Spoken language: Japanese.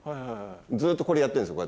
ずっとこれやってるんですよ